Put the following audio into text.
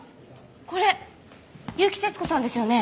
これ結城節子さんですよね？